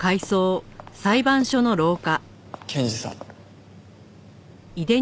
検事さん。